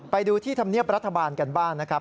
ไปดูที่ธรรมเนียบรัฐบาลกันบ้างนะครับ